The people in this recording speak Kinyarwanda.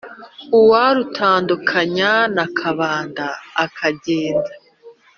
uwarutandukanye na kabanda akagenda